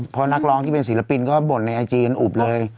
เพราะนักร้องที่เป็นศิลปินก็บ่นในไอจีกันอุบเลย